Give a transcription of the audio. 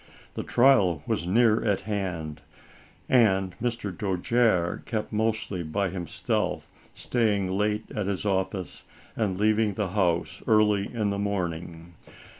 The trial was near at hand, and Mr. Dojere kept mostly by himself, staying late at his office and leaving the house early in the morning.